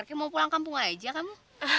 oke mau pulang kampung aja kamu